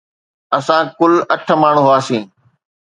اسان ڪل اٺ ماڻهو هئاسين.